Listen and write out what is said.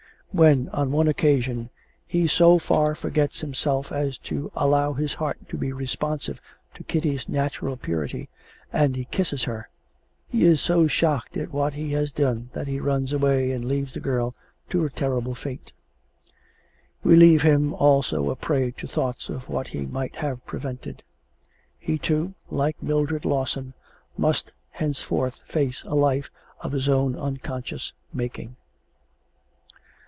When, on one occasion, he so far forgets himself as to allow his heart to be responsive to Kitty's natural purity and he kisses her, he is so shocked at what he has done that he runs away and leaves the girl to a terrible fate. We leave him also a prey to thoughts of what he might have prevented. He, too, like Mildred Lawson, must henceforth face a life of his own unconscious making.